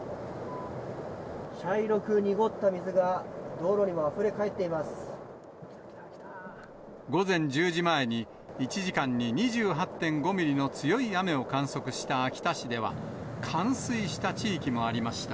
茶色く濁った水が道路にもあ午前１０時前に、１時間に２８．５ミリの強い雨を観測した秋田市では、冠水した地域もありました。